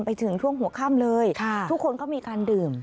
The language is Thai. ไปถึงช่วงหัวค่ำเลยทุกคนก็มีการดื่ม